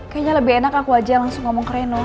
kayaknya lebih enak aku aja langsung ngomong ke reno